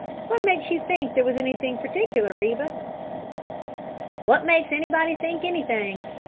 What makes you think there was anything particular, Reba?" "What makes anybody think anything!